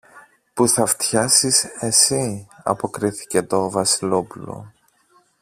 που θα φτιάσεις εσύ, αποκρίθηκε το Βασιλόπουλο.